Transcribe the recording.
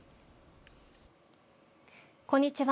こんにちは